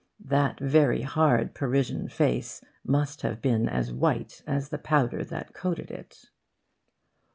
That very hard Parisian face must have been as white as the powder that coated it.